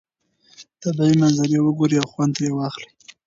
طبیعي منظرې وګورئ او خوند ترې واخلئ.